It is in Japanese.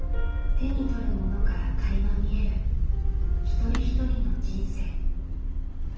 手に取るものからかいま見える一人一人の人生。